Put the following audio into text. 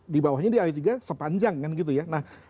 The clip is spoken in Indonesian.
di bawahnya di ayat tiga sepanjang kan gitu ya